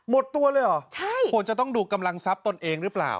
หมดตัวเลยเหรอใช่ควรจะต้องดูกำลังทรัพย์ตนเองหรือเปล่า